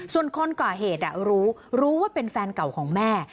ส่วนคนก่อเหตุรู้รู้ว่าเป็นแฟนเก่าของแม่